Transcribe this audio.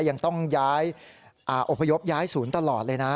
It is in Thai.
ยังต้องย้ายอบพยพย้ายศูนย์ตลอดเลยนะ